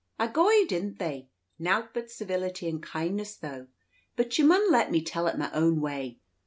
"Agoy! didn't they? Nowt but civility and kindness, though. But ye mun let me tell it my own way.